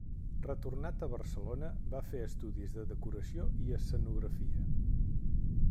Retornat a Barcelona, va fer estudis de decoració i escenografia.